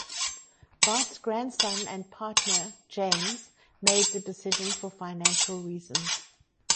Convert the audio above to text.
Bart's grandson and partner, James made the decision for financial reasons.